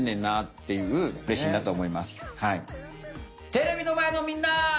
テレビのまえのみんな！